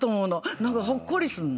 何かほっこりすんの。